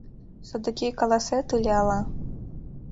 Содыки каласет ыле ала...